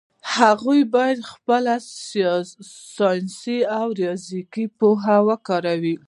هغه باید خپله ساینسي او ریاضیکي پوهه وکاروي.